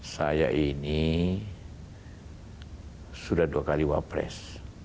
saya ini sudah dua kali wapres